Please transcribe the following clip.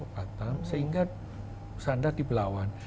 di singapura mau batam sehingga sandar di pelabuhan